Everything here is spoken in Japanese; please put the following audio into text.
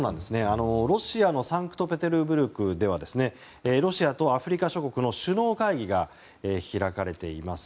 ロシアのサンクトペテルブルクではロシアとアフリカ諸国の首脳会議が開かれています。